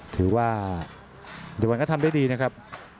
ถือว่าเดี๋ยววันก็ทำได้ดีนะครับ